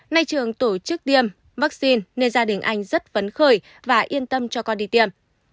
nay trường tổ chức tiêm vaccine nên gia đình anh rất vấn khởi và yên tâm cho con đi tiêm